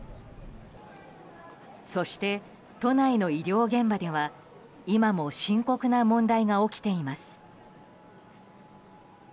そして、都内の医療現場では今も深刻な問題が起きています。